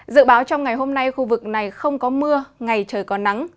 dự báo trong ngày hôm nay khu vực này không có mưa ngày trời có nắng